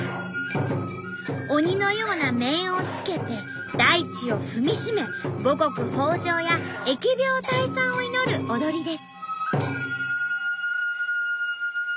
鬼のような面をつけて大地を踏みしめ五穀豊穣や疫病退散を祈る踊りです。